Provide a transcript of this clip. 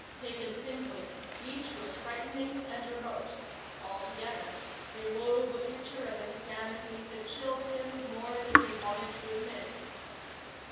Taken singly, each was frightening and remote; all together, they wove a picture of insanity that chilled him more than he wanted to admit.